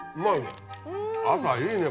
朝いいね